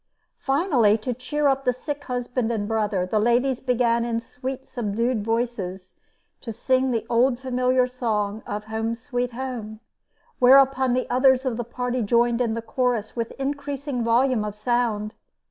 Finally, to cheer up the sick husband and brother, the ladies began in sweet, subdued voices to sing the old familiar song of "Home, Sweet Home," whereupon others of the party joined in the chorus with increased volume of sound.